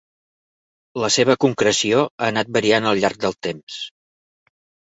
La seva concreció ha anat variant al llarg del temps.